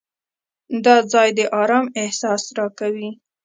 دا ځای د آرام احساس راکوي.